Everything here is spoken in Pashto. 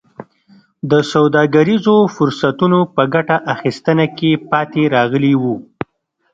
د سوداګریزو فرصتونو په ګټه اخیستنه کې پاتې راغلي وو.